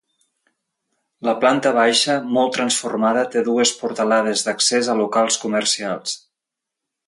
La planta baixa, molt transformada, té dues portalades d'accés a locals comercials.